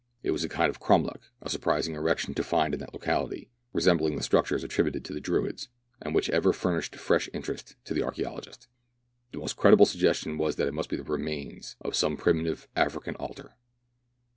It was a kind of cromlech — a surprising erection to find in that locaHty — resembling the structures attributed to the Druids, and which ever furnish fresh interest to the archaeologist. The most credible suggestion was that it must be the remains of some primitive African altar.